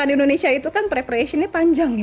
di indonesia itu kan preparationnya panjang